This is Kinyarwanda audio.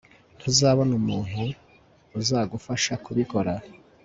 Ntuzabona umuntu uzagufasha kubikora